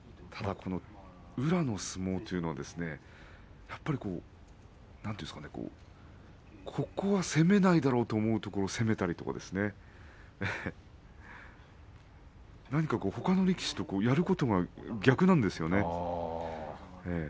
宇良というのはここ攻めないだろうと思うところを攻めたりとかほかの力士とやることが逆なんですよね。